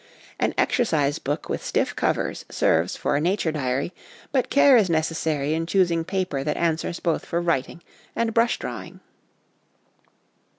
An exercise book 1 with stiff covers serves for a nature diary, but care is necessary in choosing paper that answers both for writing and brush drawing.